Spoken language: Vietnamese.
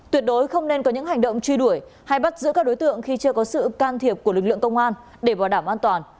tuyệt đối không nên có những hành động truy đuổi hay bắt giữ các đối tượng khi chưa có sự can thiệp của lực lượng công an để bảo đảm an toàn